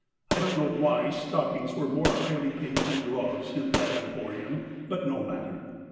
I don't know why stock ings were more highly paid than gloves in that emporium, but no matter.